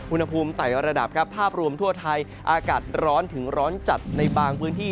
อุณหภูมิใต้ระดับภาพรวมทั่วไทยอากาศร้อนถึงร้อนจัดในบางพื้นที่